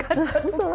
そう。